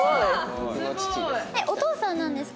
お父さんなんですか？